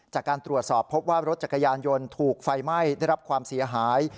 จากการตรวจสอบพบว่ารถจักรยานยนต์ถูกไฟไหม้ได้รับความเสียหาย